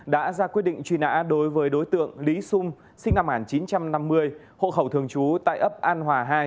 đã ra quyết định truy nã đối với đối tượng lý xuân sinh năm hẳn chín trăm năm mươi hộ khẩu thường trú tại ấp an hòa hai